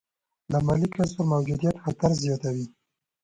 د مالي کسر موجودیت خطر زیاتوي.